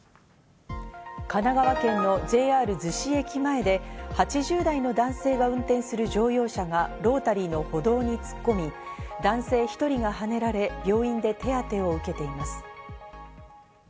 神奈川県のＪＲ逗子駅前で８０代の男性が運転する乗用車がロータリーの歩道に突っ込み、男性１人がはねられ、病院で手当てを受けています。